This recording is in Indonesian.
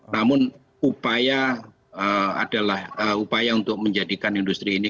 namun upaya adalah upaya untuk menjadikan industri ini